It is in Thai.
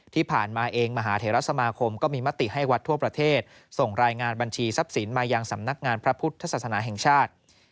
ที่ผ่านมาเองมหาเทรสมาคมก็มีมติให้วัดทั่วประเทศส่งรายงานบัญชีทรัพย์สินมายังสำนักงานพระพุทธศาสนาแห่งชาติ